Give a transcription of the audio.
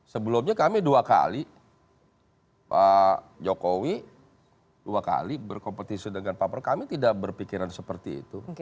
sebelumnya kami dua kali pak jokowi dua kali berkompetisi dengan pak prabowo kami tidak berpikiran seperti itu